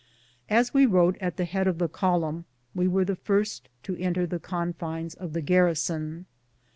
As we rode at the head of the column, we were the first to enter the confines of the garrison.